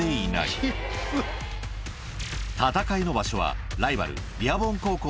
戦いの場所はライバル